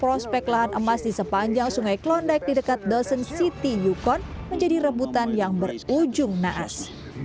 prospek lahan emas di sepanjang sungai klondek di dekat dosen city yukon menjadi rebutan yang berujung naas